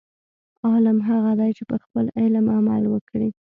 عالم هغه دی، چې په خپل علم عمل وکړي.